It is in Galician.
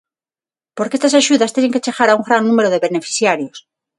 Porque estas axudas teñen que chegar a un gran número de beneficiarios.